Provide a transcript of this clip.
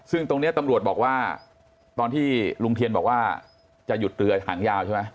ซึ่งตรงนี้ตำรวจบอกว่าตอนที่ลุงเทียนบอกว่าจะหยุดเรือหางยาวใช่ไหม